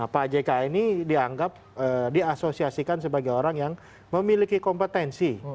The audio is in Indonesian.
pak jk ini dianggap diasosiasikan sebagai orang yang memiliki kompetensi